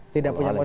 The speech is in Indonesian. tidak punya polemik